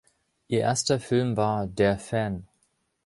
Ihr erster Film war "Der Fan".